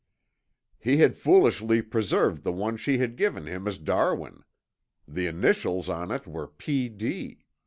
"He had foolishly preserved the one she had given him as Darwin. The initials on it were P. D."